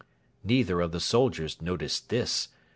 Neither of the soldiers noticed this.